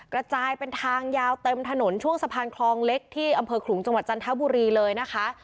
กระจายเป็นทางยาวเต็มถนนช่วงสะพานคลองเล็กที่อำเภอขลุงจังหวัดจันทบุรีเลยนะคะ